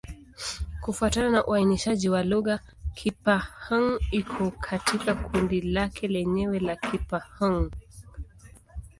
Kufuatana na uainishaji wa lugha, Kipa-Hng iko katika kundi lake lenyewe la Kipa-Hng.